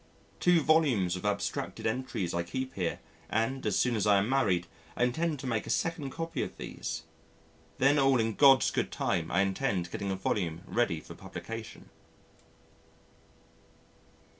Two volumes of abstracted entries I keep here, and, as soon as I am married, I intend to make a second copy of these.... Then all in God's good time I intend getting a volume ready for publication.